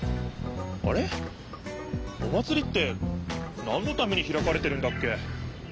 あれっお祭りってなんのためにひらかれてるんだっけ？